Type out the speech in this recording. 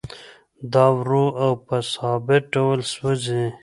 دا ورو او په ثابت ډول سوځي